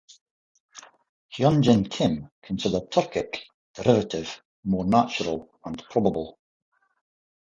Hyun Jin Kim considered Turkic derivation more natural and probable.